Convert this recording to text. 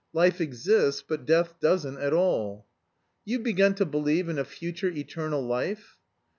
Life exists, but death doesn't at all." "You've begun to believe in a future eternal life?"